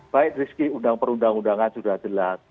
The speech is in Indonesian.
baik rizky undang perundang undangan sudah jelas